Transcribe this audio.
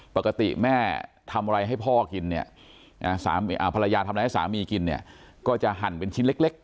ปกติแม่ทำอะไรให้พ่อกินเนี่ยภรรยาทำอะไรให้สามีกินเนี่ยก็จะหั่นเป็นชิ้นเล็ก